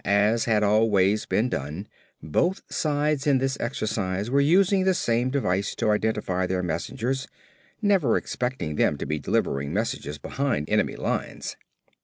As had always been done, both sides in this exercise were using the same device to identify their messengers, never expecting them to be delivering messages behind enemy lines.